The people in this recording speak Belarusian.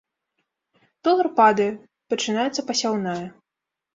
Долар падае, пачынаецца пасяўная.